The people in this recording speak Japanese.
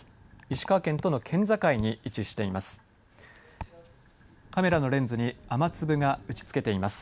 石川県との県境に位置しています。